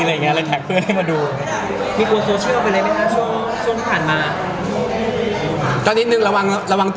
มีกลัวโซเชี่ยลอะไรไหมช่วงที่ผ่านมา